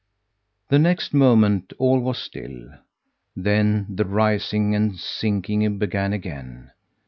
The next moment all was still, then the rising and sinking began again.